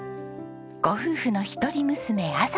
ご夫婦の一人娘麻子さんです。